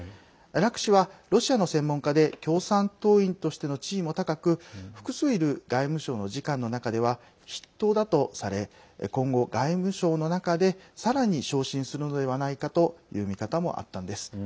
楽氏はロシアの専門家で共産党員としての地位も高く複数いる外務省の次官の中では筆頭だとされ今後、外務省の中でさらに昇進するのではないかという見方もあったんです。